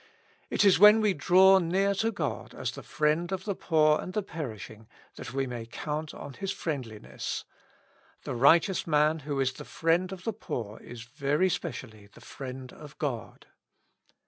It is when we draw near to God as the friend of the poor and the perishing that we may count on His friendliness ; the righteous man who is the friend of the poor is very specially the friend of God.